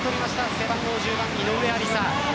背番号１０番・井上愛里沙。